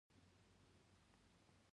خپل کور باید خوندي شي